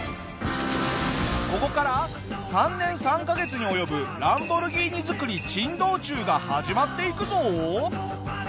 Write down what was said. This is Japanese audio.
ここから３年３カ月に及ぶランボルギーニ作り珍道中が始まっていくぞ！